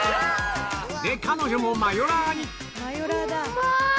で彼女もマヨラーにうんま！